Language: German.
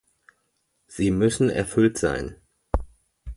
Sie müssen erfüllt sein.